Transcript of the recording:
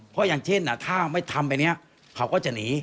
เพราะอย่างเช่นถ้าไม่ทำไปเนี่ยเขาก็จะหนี